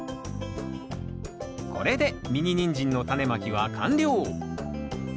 これでミニニンジンのタネまきは完了。